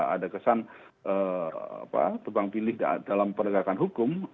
ada kesan tebang pilih dalam penegakan hukum